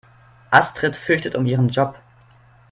Astrid fürchtet um ihren Job.